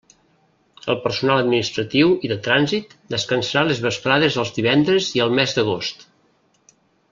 El personal administratiu i de trànsit descansarà les vesprades dels divendres i el mes d'agost.